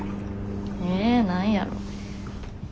え何やろ。